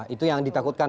itu yang ditakutkan